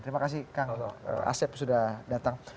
terima kasih kang asep sudah datang